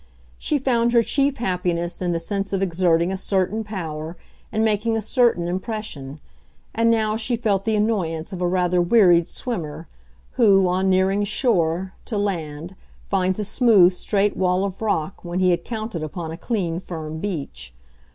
She found her chief happiness in the sense of exerting a certain power and making a certain impression; and now she felt the annoyance of a rather wearied swimmer who, on nearing shore, to land, finds a smooth straight wall of rock when he had counted upon a clean firm beach.